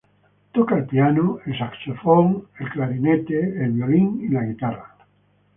Toca el piano, el saxofón, el clarinete, el violín y la guitarra.